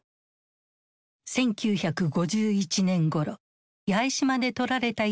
１９５１年ごろ八重島で撮られた一枚の写真がある。